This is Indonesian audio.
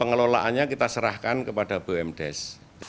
pengelolaannya kita serahkan kepada bumdes